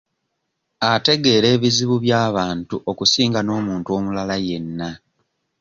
Ategeera ebizibu by'abantu okusinga n'omuntu omulala yenna.